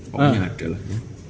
pokoknya adalah ya